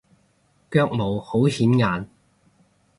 腳毛好顯眼